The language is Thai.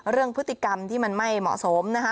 เรื่องพฤติกรรมที่มันไม่เหมาะสมนะคะ